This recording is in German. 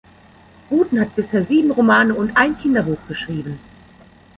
Buten hat bisher sieben Romane und ein Kinderbuch geschrieben.